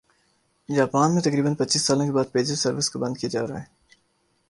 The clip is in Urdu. جاپان میں تقریبا ًپچيس سالوں کے بعد پیجر سروس کو بند کیا جا رہا ہے